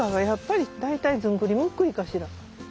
やっぱり大体ずんぐりむっくりかしら。